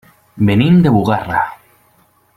Venim de Bugarra.